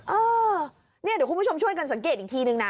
เออเนี่ยเดี๋ยวคุณผู้ชมช่วยกันสังเกตอีกทีนึงนะ